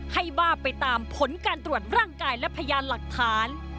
บ้าไปตามผลการตรวจร่างกายและพยานหลักฐาน